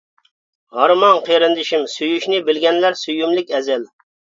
ھارماڭ قېرىندىشىم سۆيۈشنى بىلگەنلەر سۆيۈملۈك ئەزەل.